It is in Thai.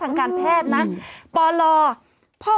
กรมป้องกันแล้วก็บรรเทาสาธารณภัยนะคะ